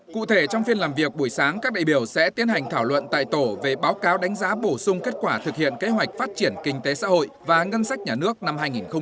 cụ thể trong phiên làm việc buổi sáng các đại biểu sẽ tiến hành thảo luận tại tổ về báo cáo đánh giá bổ sung kết quả thực hiện kế hoạch phát triển kinh tế xã hội và ngân sách nhà nước năm hai nghìn một mươi chín